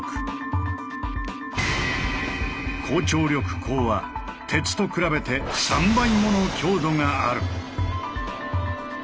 高張力鋼は鉄と比べて「３倍もの強度」がある。